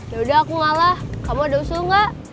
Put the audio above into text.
yaudah aku ngalah kamu ada usul gak